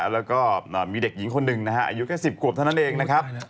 แล้วก็มีเด็กหญิงคนหนึ่งนะฮะอายุแค่๑๐ขวบเท่านั้นเองนะครับ